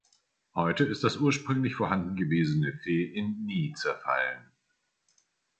Heute ist das ursprünglich vorhanden gewesene Fe in Ni zerfallen.